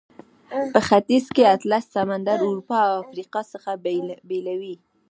په ختیځ کې اطلس سمندر اروپا او افریقا څخه بیلوي.